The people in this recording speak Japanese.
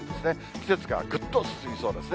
季節がぐっと進みそうですね。